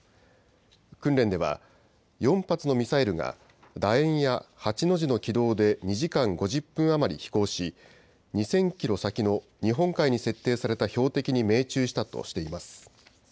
訓練では４発のミサイルがだ円や８の字の軌道で２時間５０分余り飛行し２０００キロ先の日本海に設定された標的に命中したとしています。